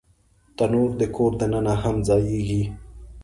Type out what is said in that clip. تنور د کور دننه هم ځایېږي